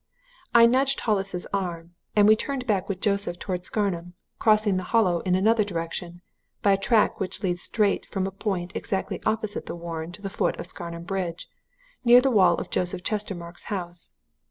"I nudged Hollis's arm, and we turned back with Joseph towards Scarnham, crossing the Hollow in another direction, by a track which leads straight from a point exactly opposite the Warren to the foot of Scarnham Bridge, near the wall of Joseph Chestermarke's house.